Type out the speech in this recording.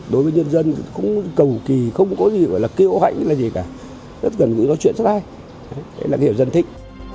đối với nhân dân cũng cầu kỳ không có gì gọi là kêu hãnh hay là gì cả rất gần gũi nói chuyện rất hay đấy là cái hiểu dân thích